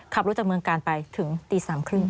ขับรถจากเมืองกาลไปถึงตี๓๓๐